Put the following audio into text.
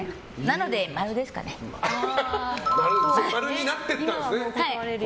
○になっていったんですね。